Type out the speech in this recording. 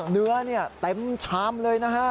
เนื้อเต็มชามเลยนะฮะ